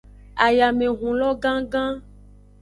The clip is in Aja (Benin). Ayamehun lo gangan.